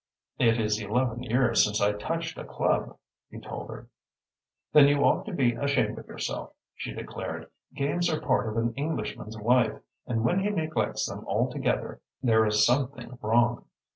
"It is eleven years since I touched a club," he told her. "Then you ought to be ashamed of yourself," she declared. "Games are part of an Englishman's life, and when he neglects them altogether there is something wrong.